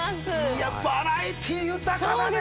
いやバラエティー豊かだねぇ。